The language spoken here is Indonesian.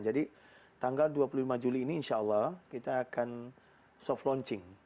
jadi tanggal dua puluh lima juli ini insya allah kita akan soft launching